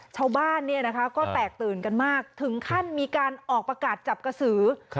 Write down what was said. ชาวบ้านก็แตกตื่นกันมากถึงขั้นมีการออกประกาศจับกระสือ